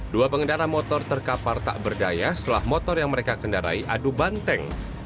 dua pengendara motor terkapar tak berdaya setelah motor yang mereka kendarai adu banteng